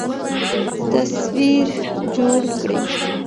تصوير جوړ كړي